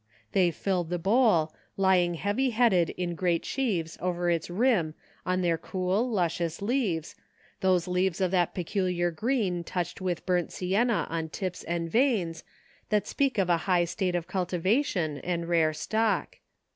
They filled the bowl, lying heavy headed in great sheaves over its rim on their cool, luscious leaves, those leaves of that peculiar green touched with burnt sienna on tips and veins, that speak of a high state of cultivation, and rare stock.